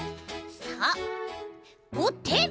さあおて！